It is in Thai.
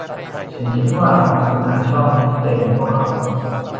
ฉันคิดว่าคุณอาจชอบที่จะเห็นพวกเขา